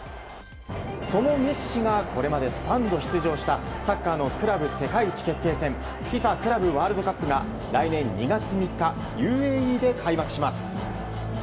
そのメッシがこれまで３度出場したサッカーのクラブ世界一決定戦ＦＩＦＡクラブワールドカップが来年２月３日ＵＡＥで開幕します。